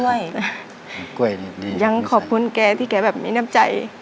ลุงกล้วยนี่ไม่ใช่ยังขอบคุณแกที่แกแบบไม่นับใจ